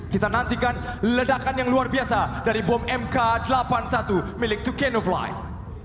kita nantikan ledakan yang luar biasa dari bom mk delapan puluh satu milik dua canno flight